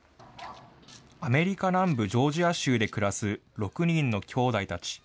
アメリカ南部ジョージア州で暮らす６人の兄弟たち。